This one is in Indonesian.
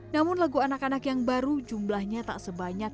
namun lagu anak anak yang baru jumlahnya tak sebanyak